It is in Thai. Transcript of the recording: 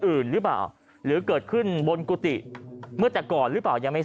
อื่นหรือเปล่าหรือเกิดขึ้นบนกุฏิเมื่อแต่ก่อนหรือเปล่ายังไม่